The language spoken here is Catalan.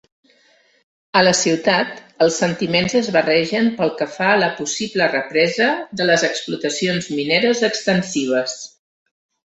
A la ciutat, els sentiments es barregen pel que fa a la possible represa de les explotacions mineres extensives.